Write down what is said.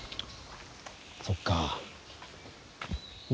そっか。